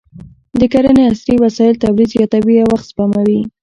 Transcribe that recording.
د کرنې عصري وسایل تولید زیاتوي او وخت سپموي.